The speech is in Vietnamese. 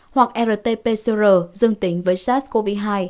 hoặc rt pcr dương tính với sars cov hai